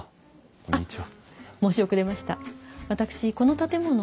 こんにちは。